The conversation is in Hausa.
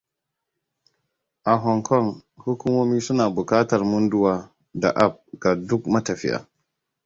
A Hong Kong, hukumomi suna buƙatar munduwa da app ga duk matafiya.